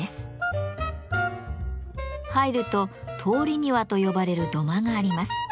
入ると「通り庭」と呼ばれる土間があります。